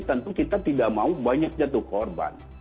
tentu kita tidak mau banyak jatuh korban